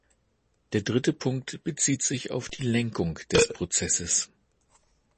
Der dritte Punkt bezieht sich auf die Lenkung des Prozesses.